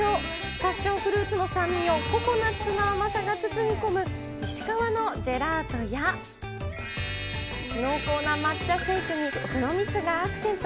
パッションフルーツの酸味をココナッツの甘さが包み込む、石川のジェラートや、濃厚な抹茶シェイクに黒蜜がアクセント。